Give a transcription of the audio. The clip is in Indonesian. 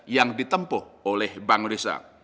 yang ditempuh oleh bank indonesia